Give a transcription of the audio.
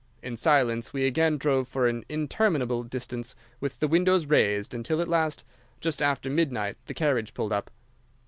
In silence we again drove for an interminable distance with the windows raised, until at last, just after midnight, the carriage pulled up.